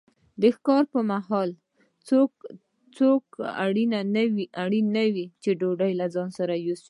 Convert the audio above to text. د ښکار پر مهال څوک اړ نه وو چې ډوډۍ له ځان سره یوسي.